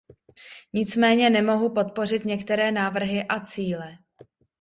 Nicméně nemohu podpořit některé návrhy a cíle.